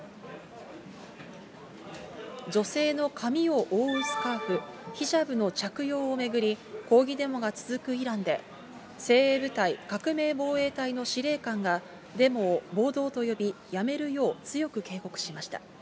女性の髪を覆うスカーフ、ヒジャブの着用を巡り、抗議デモが続くイランで、精鋭部隊、革命防衛隊の司令官が、デモを暴動と呼び、やめるよう強く警告しました。